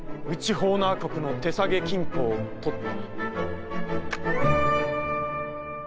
ホーナー国の手提げ金庫を取った」。